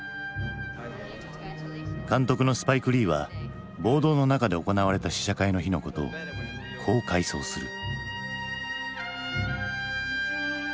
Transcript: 監督のスパイク・リーは暴動の中で行われた試写会の日のことをこう回想する。